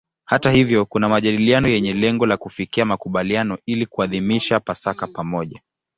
Hata hivyo kuna majadiliano yenye lengo la kufikia makubaliano ili kuadhimisha Pasaka pamoja.